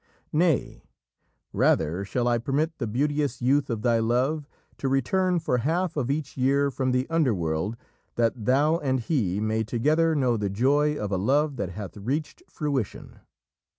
"Nay, rather shall I permit the beauteous youth of thy love to return for half of each year from the Underworld that thou and he may together know the joy of a love that hath reached fruition."